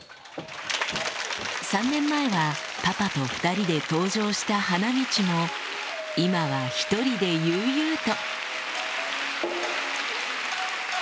３年前はパパと２人で登場した花道も今は１人で悠々と